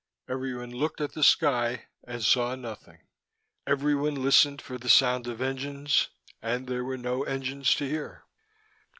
Everyone looked at the sky, and saw nothing: everyone listened for the sound of engines, and there were no engines to hear.